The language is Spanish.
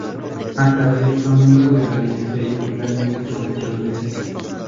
Más tarde fue miembro del gabinete y Primer Ministro muchas veces.